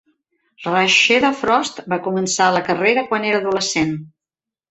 Rasheeda Frost va començar la carrera quan era adolescent.